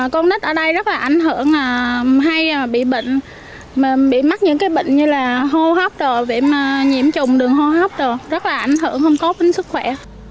con nít ở đây rất là ảnh hưởng hay bị bệnh bị mắc những cái bệnh như là hô hấp nhiễm trùng đường hô hấp rất là ảnh hưởng không có tính sức khỏe